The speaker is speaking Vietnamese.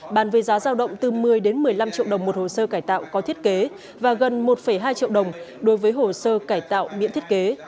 bàn về giá giao động từ một mươi một mươi năm triệu đồng một hồ sơ cải tạo có thiết kế và gần một hai triệu đồng đối với hồ sơ cải tạo miễn thiết kế